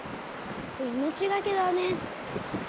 命懸けだね。